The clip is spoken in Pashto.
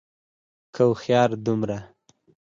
که هوښيار دومره